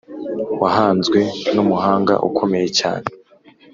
wahanzwe n’umuhanga ukomeye cyane